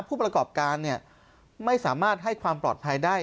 ผู้ประกอบการไม่สามารถให้ความปลอดภัยได้